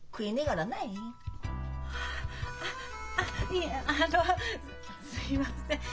いえあのすみません。